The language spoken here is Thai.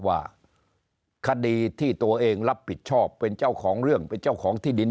ว่าคดีที่ตัวเองรับผิดชอบเป็นเจ้าของเรื่องเป็นเจ้าของที่ดิน